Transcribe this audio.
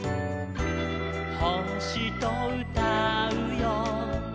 「ほしとうたうよ」